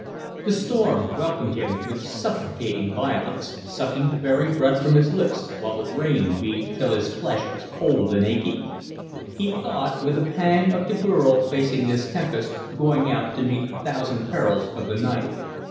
The storm welcomed him with suffocating violence, sucking the very breath from his lips, while the rain beat through till his flesh was cold and aching. He thought with a pang of the girl facing this tempest, going out to meet the thousand perils of the night.